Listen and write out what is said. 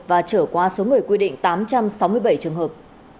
và trở qua số người quy định tám trăm sáu mươi bảy trường hợp